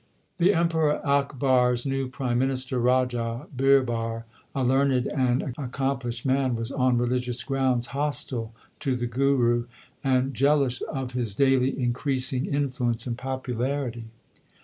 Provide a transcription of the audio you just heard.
2 The Emperor Akbar s new prime minister, Raja Birbar, a learned and accomplished man, was on religious grounds hostile to the Guru and jealous of his daily increasing influence and popularity.